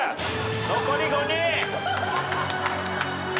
残り５人。